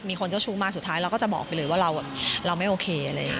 มีคนเจ้าชู้มาสุดท้ายเราก็จะบอกไปเลยว่าเราไม่โอเค